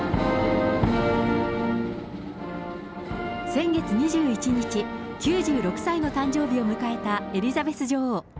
先月２１日、９６歳の誕生日を迎えたエリザベス女王。